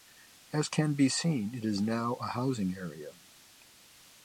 As can be seen it is now a housing area.